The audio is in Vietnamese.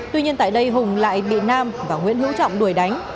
tuy nhiên tại đây hùng lại bị nam và nguyễn hữu trọng đuổi đánh